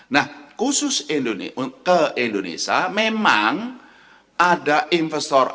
nah khusus ke indonesia memang ada investor